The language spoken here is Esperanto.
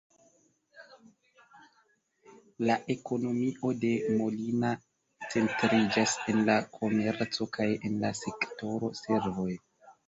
La ekonomio de Molina centriĝas en la komerco kaj en la sektoro servoj.